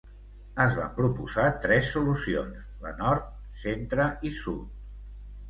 Es van proposar tres solucions: la Nord, Centre i Sud.